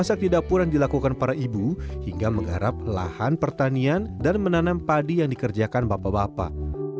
pertidakpuran dilakukan para ibu hingga mengharap lahan pertanian dan menanam padi yang dikerjakan bapak bapak